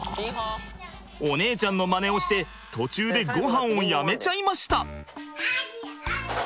お姉ちゃんのまねをして途中でごはんをやめちゃいました。